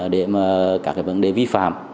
để các vấn đề vi phạm